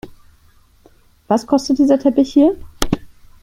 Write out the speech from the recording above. Was kostet dieser Teppich hier?